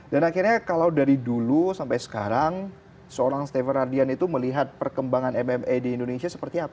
dan akhirnya kalau dari dulu sampai sekarang seorang steven radian itu melihat perkembangan mma di indonesia seperti apa